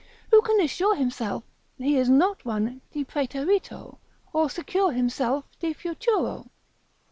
Who can assure himself he is not one de praeterito, or secure himself de futuro?